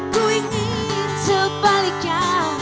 ku ingin sebaliknya